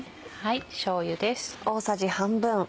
しょうゆです。